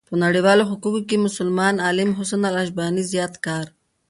په نړيوالو حقوقو کې مسلمان عالم حسن الشيباني زيات کار